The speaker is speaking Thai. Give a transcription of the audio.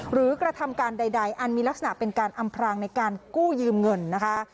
กระทำการใดอันมีลักษณะเป็นการอำพรางในการกู้ยืมเงินนะคะ